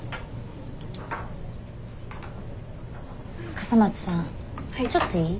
笠松さんちょっといい？